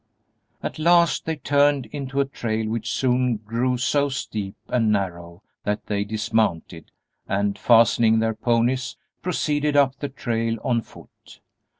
At last they turned into a trail which soon grew so steep and narrow that they dismounted, and, fastening their ponies, proceeded up the trail on foot.